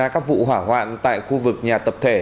các vụ hỏa hoạn tại khu vực nhà tập thể